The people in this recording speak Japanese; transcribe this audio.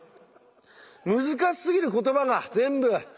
難しすぎる言葉が全部！